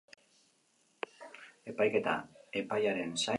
Epaiketa epaiaren zain geratu da.